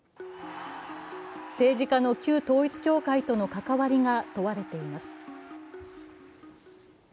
政治家の旧統一教会との関わりが問われています。